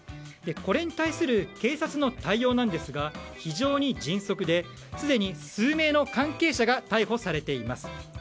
これに対する警察の対応ですが非常に迅速ですでに数名の関係者が逮捕されています。